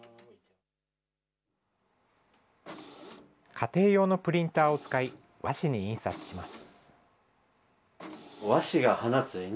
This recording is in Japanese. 家庭用のプリンターを使い、和紙に印刷します。